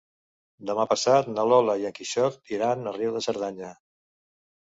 Demà passat na Lola i en Quixot iran a Riu de Cerdanya.